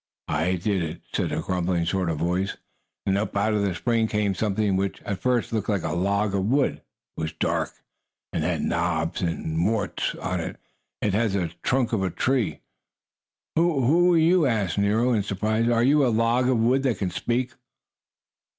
"I did it!" said a grumbling sort of voice, and up out of the spring came something which, at first, looked like a log of wood. It was dark, and had knobs, or warts, on it, as has the trunk of a tree. "Who who are you?" asked Nero, in surprise. "Are you a log of wood that can speak?"